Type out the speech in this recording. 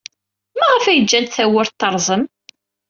Maɣef ay ǧǧant tawwurt terẓem?